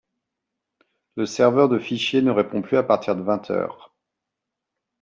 Le serveur de fichier ne répond plus à partir de vingt heure